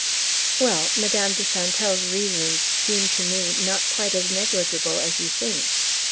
"Well Madame de Chantelle's reasons seem to me not quite as negligible as you think."